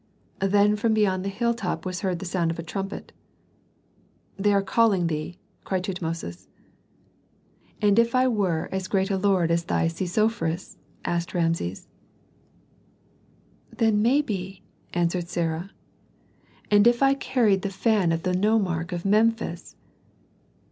Then from beyond the hilltop was heard the sound of a trumpet. "They are calling thee!" cried Tutmosis. "And if I were as great a lord as thy Sesofris?" asked Rameses. "Then maybe " answered Sarah. "And if I carried the fan of the nomarch of Memphis?"